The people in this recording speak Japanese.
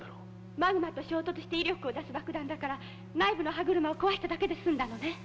マグマと衝突して威力を出す爆弾だから内部の歯車を壊しただけで済んだのね。